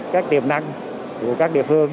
các tiềm năng của các địa phương